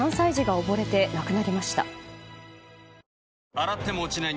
洗っても落ちない